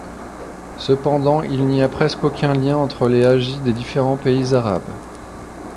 Cependant il n'y a presque aucun lien entre les Hajji des différents pays arabes.